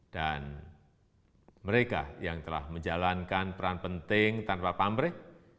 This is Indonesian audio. dan mereka yang telah menjalankan peran penting tanpa pamrek